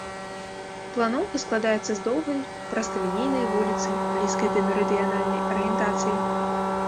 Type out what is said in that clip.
Планоўка складаецца з доўгай прасталінейнай вуліцы, блізкай да мерыдыянальнай арыентацыі.